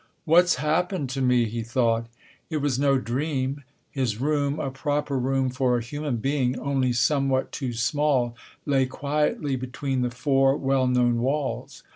"What's happened to me," he thought. It was no dream. His room, a proper room for a human being, only somewhat too small, lay quietly between the four well known walls.